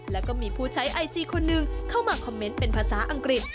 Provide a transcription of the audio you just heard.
แล้วก็มีผู้ใช้ไอจีคนหนึ่งเข้ามาคอมเมนต์เป็นภาษาอังกฤษ